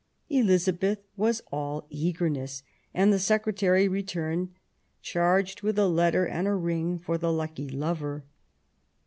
Elizabeth was all eagerness; and the secretary returned charged with a letter and a ring for the lucky lover.